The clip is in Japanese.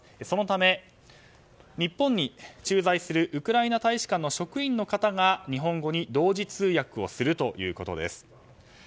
そのため、日本に駐在するウクライナ大使館の職員の方が日本語に同時通訳をするということです。